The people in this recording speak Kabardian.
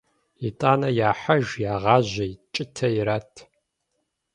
ИтӀанэ яхьэж, ягъажьэ, кӀытэ ират.